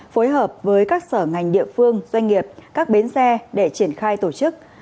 phối hợp với các sở ngành địa phương doanh nghiệp các bến xe để triển khai tổ chức